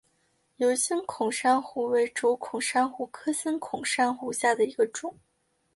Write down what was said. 疣星孔珊瑚为轴孔珊瑚科星孔珊瑚下的一个种。